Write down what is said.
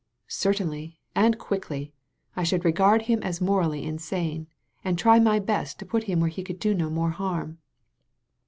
'' Certainly, and quickly! I should regard him as morally insane, and try my best to put him where he could do no more harm.